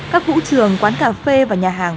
các vũ trường quán cà phê và nhà hàng